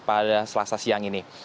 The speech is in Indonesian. pada selasa siang ini